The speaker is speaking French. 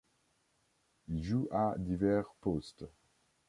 Il joue à divers postes.